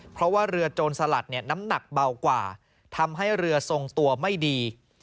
เพราะว่าเรือโจรสลัดน้ำหนักเบากว่าทำให้เรือทรงตัวไม่ดี